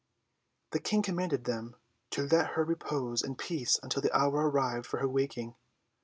The King commanded them to let her repose in peace until the hour arrived for her waking.